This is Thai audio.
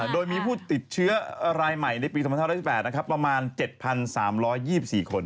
โดยมีผู้ติดเชื้อรายใหม่ในปี๒๕๑๘ประมาณ๗๓๒๔คน